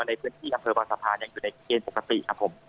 ในพื้นที่อำเภอบางสะพานยังอยู่ในเกณฑ์ปกติครับผม